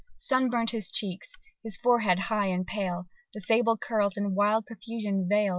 "Sun burnt his cheek, his forehead high and pale The sable curls in wild profusion veil....